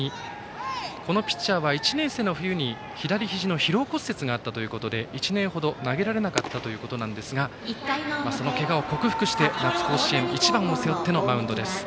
このピッチャーは１年生の冬に左ひじの疲労骨折があったということで１年ほど投げられなかったということですがそのけがを克服して、夏の甲子園１番を背負ってのマウンドです。